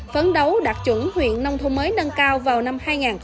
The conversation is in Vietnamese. phấn đấu đạt chuẩn huyện nông thôn mới nâng cao vào năm hai nghìn hai mươi